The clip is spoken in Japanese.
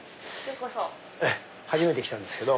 初めて来たんですけど。